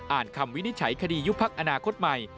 คำวินิจฉัยคดียุบพักอนาคตใหม่